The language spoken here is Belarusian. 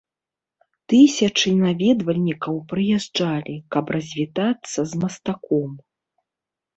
Тысячы наведвальнікаў прыязджалі, каб развітацца з мастаком.